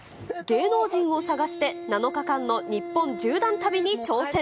芸能人を探して、７日間の日本縦断旅に挑戦。